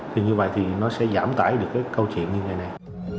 thì như vậy thì nó sẽ giảm tải được cái câu chuyện như ngày này